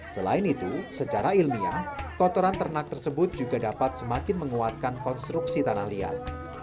selain itu secara ilmiah kotoran ternak tersebut juga dapat semakin menguatkan konstruksi tanah liat